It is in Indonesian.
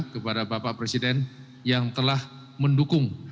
kepada bapak presiden yang telah mendukung